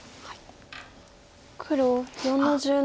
黒４の十七。